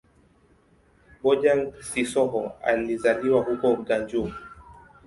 Bojang-Sissoho alizaliwa huko Gunjur.